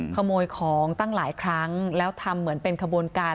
ขโมยของตั้งหลายครั้งแล้วทำเหมือนเป็นขบวนการ